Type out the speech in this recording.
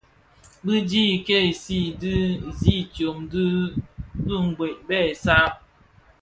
Bi dhi kèsi di zidyōm di dhiňwê bè saad.